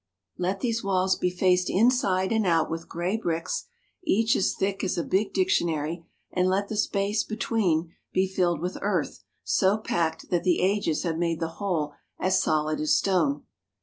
Let these walls be faced inside and out with gray bricks, each as thick as a big dictionary, and let the space between be filled with earth so packed that the ages have made the whole as solid as stone.